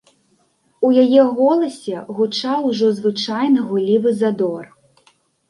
У яе голасе гучаў ужо звычайны гуллівы задор.